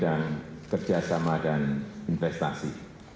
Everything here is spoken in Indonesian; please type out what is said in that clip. dan bidang kerjasama dan investasi